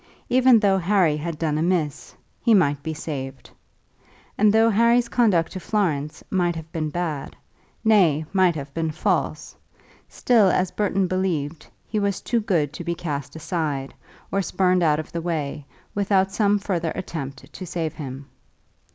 Even though Harry had done amiss, he might be saved. And though Harry's conduct to Florence might have been bad, nay, might have been false, still, as Burton believed, he was too good to be cast aside, or spurned out of the way, without some further attempt to save him.